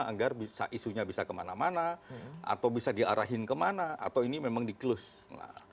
agar isunya bisa kemana mana atau bisa diarahin kemana atau ini memang di close